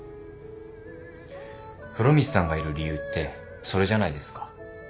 風呂光さんがいる理由ってそれじゃないですか？